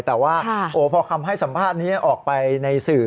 แต่ว่าพอคำให้สัมภาษณ์นี้ออกไปในสื่อ